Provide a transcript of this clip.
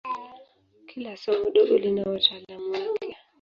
Kila somo dogo lina wataalamu wake.